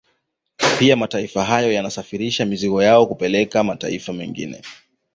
Pia mataifa hayo yanasafirisha mizigo yao kupeleka mataifa mengine